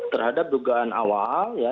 terhadap dugaan awal ya